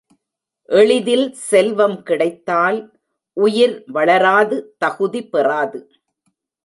எளிதில் செல்வம் கிடைத்தால் உயிர் வளராது தகுதி பெறாது.